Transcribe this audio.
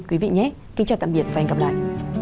kính chào tạm biệt và hẹn gặp lại